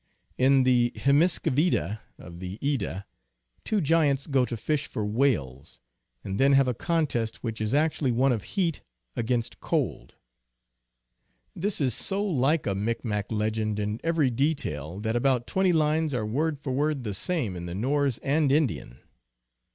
In the Hymiskvida of the Edda, two giants go to fish for whales, and then have a contest which is actually one of heat against cold. This is so like a Micmac legend in every detail that about twenty lines are word for word the same in the Norse and Indian.